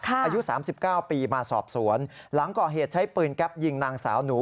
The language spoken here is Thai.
อายุ๓๙ปีมาสอบสวนหลังก่อเหตุใช้ปืนแก๊ปยิงนางสาวหนู